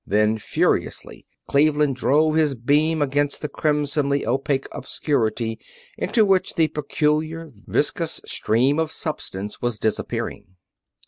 Then furiously Cleveland drove his beam against the crimsonly opaque obscurity into which the peculiar, viscous stream of substance was disappearing.